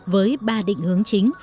với ba định hướng chính